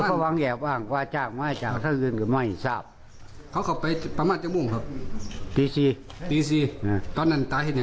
ครับเว้ยงั้นเขาเขาไปละ